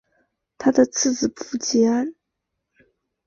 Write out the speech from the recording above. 他的次子傅吉安曾在成功大学就读并学习中文。